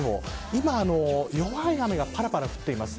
今、弱い雨がぱらぱら降っています。